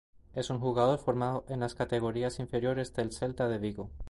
Es un jugador formado en las categorías inferiores del Celta de Vigo.